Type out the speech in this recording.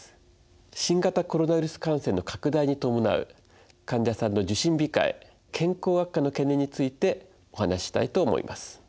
新型コロナウイルス感染の拡大に伴う患者さんの受診控え健康悪化の懸念についてお話ししたいと思います。